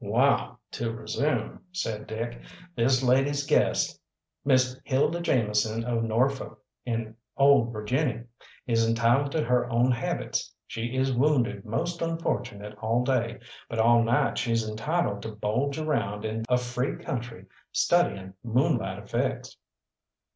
"Wall, to resume," said Dick, "this lady's guest, Miss Hilda Jameson, of Norfolk, in old Virginie, is entitled to her own habits. She is wounded most unfortunate all day, but all night she's entitled to bulge around in a free country studying moonlight effects."